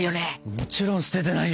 もちろん捨ててないよ。